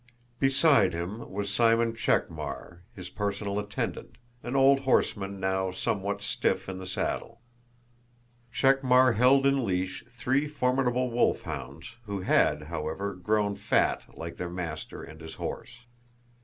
Beside him was Simon Chekmár, his personal attendant, an old horseman now somewhat stiff in the saddle. Chekmár held in leash three formidable wolfhounds, who had, however, grown fat like their master and his horse.